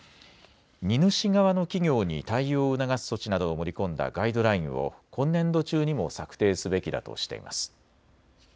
荷主側の企業に対応を促す措置などを盛り込んだガイドラインを今年度中にも策定すべきだとしています。